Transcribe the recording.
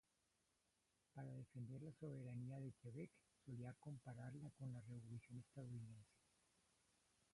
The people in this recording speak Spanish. Para defender la soberanía de Quebec, solía compararla con la Revolución estadounidense.